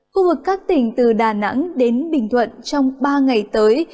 khu vực các tỉnh từ đà nẵng đến bình thuận trong ba ngày tới